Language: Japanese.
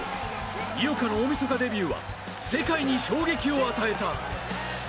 井岡の大みそかデビューは、世界に衝撃を与えた。